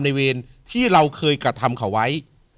เวรที่เราเคยกระทำเขาไว้